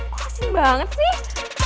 kasih banget sih